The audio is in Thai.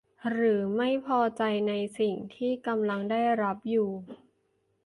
หรือไม่พอใจในสิ่งที่กำลังได้รับอยู่